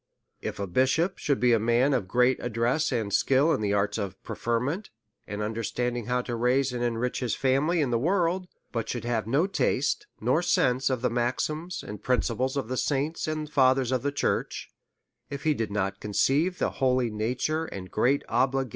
If a bishop should be a man of great ad dress and skill in the arts of preferment, and under standing how to mise and enrich his family in the world, but should have no taste or sense of the maxims and principles of the saints and fathers of the church; if he did not conceive the holy nature and great obli DEVOUT AND HOLY LIFE.